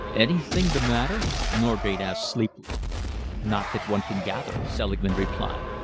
"Anything the matter?" Norgate asked sleepily. "Not that one can gather," Selingman replied.